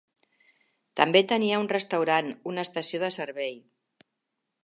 També tenia un restaurant una estació de servei.